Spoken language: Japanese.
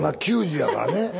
今９０やからね。